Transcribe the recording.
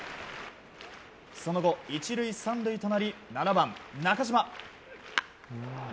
その後、１塁３塁となり７番、中島。